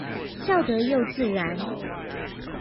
笑得又自然